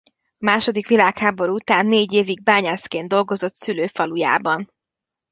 A második világháború után négy évig bányászként dolgozott szülőfalujában.